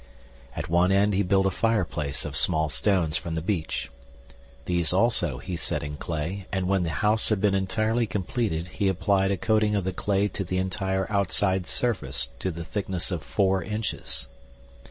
At one end he built a fireplace of small stones from the beach. These also he set in clay and when the house had been entirely completed he applied a coating of the clay to the entire outside surface to the thickness of four inches.